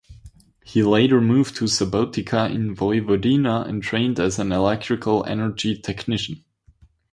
He later moved to Subotica in Vojvodina and trained as an electrical energy technician.